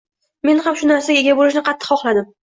Men ham shu narsaga ega bo‘lishni qattiq xohladim.